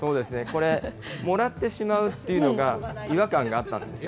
これ、もらってしまうっていうのが違和感があったんです。